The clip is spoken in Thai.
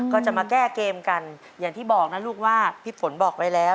ก็จะมาแก้เกมกันอย่างที่บอกนะลูกว่าพี่ฝนบอกไว้แล้ว